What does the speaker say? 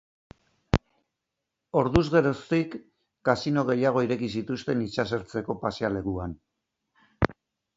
Orduz geroztik, kasino gehiago ireki zituzten itsasertzeko pasealekuan.